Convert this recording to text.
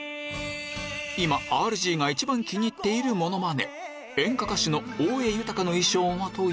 今ＲＧが一番気に入っているモノマネ